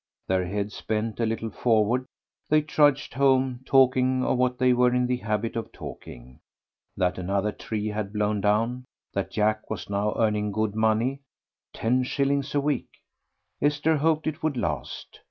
Their heads bent a little forward, they trudged home, talking of what they were in the habit of talking, that another tree had been blown down, that Jack was now earning good money ten shillings a week. Esther hoped it would last.